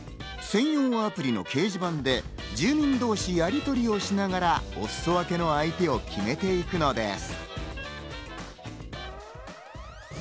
専用アプリの掲示板で住民同士やりとりしながらおすそ分けの相手を決めていくのです。